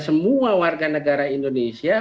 semua warga negara indonesia